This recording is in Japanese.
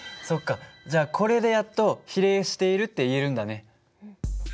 そっかじゃあこれでやっと比例しているって言えるんだね。